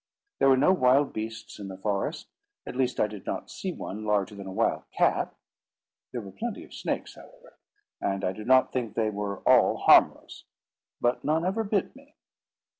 There were no wild beasts in the forest; at least, I did not see one larger than a wild cat. There were plenty of snakes, however, and I do not think they were all harmless; but none ever bit me.